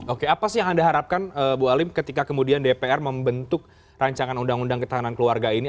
oke apa sih yang anda harapkan bu halim ketika kemudian dpr membentuk rancangan undang undang ketahanan keluarga ini